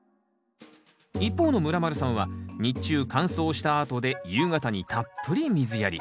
一方のムラまるさんは日中乾燥したあとで夕方にたっぷり水やり。